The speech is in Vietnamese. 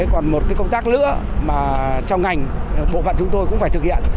còn một công tác nữa mà trong ngành bộ phận chúng tôi cũng phải thực hiện